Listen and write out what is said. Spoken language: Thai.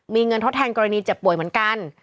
มีเงินทดแทนกรณีเจ็บป่วยเหมือนกัน